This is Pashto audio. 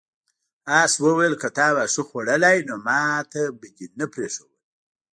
آس وویل که تا واښه خوړلی نو ماته به دې نه پریښودل.